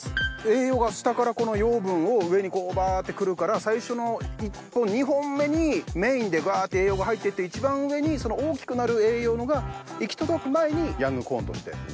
栄養が下からこの養分を上にバって来るから最初の１本２本目にメインでぐわって栄養が入って行って一番上に大きくなる栄養が行き届く前にヤングコーンとして。